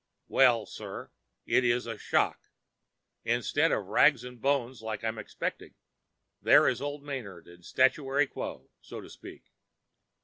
Well, sir, it is a shock! Instead of rags and bones like I'm expecting, there is old Manard in statuary quo, so to speak.